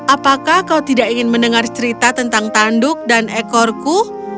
apakah kau tidak ingin mendengar cerita tentang tanduk dan ekorku